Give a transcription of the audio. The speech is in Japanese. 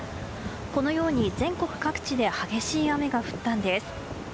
このように全国各地で激しい雨が降ったんです。